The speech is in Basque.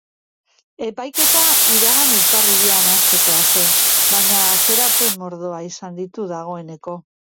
Epaiketa iragan urtarrilean hastekoa zen, baina atzerapen mordoa izan ditu dagoeneko.